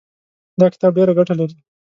دا کتاب ډېره ګټه لري.